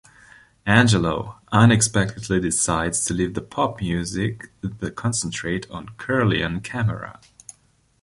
Angelo unexpectedly decides to leave the pop-music the concentrate on Kirlian Camera.